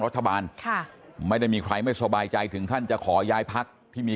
รัฐบาลค่ะไม่ได้มีใครไม่สบายใจถึงขั้นจะขอย้ายพักที่มี